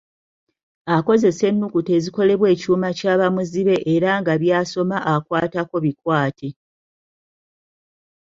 Akozesa ennukuta ezikolebwa ekyuma kya bamuzibe era nga by'asoma akwatako bikwate.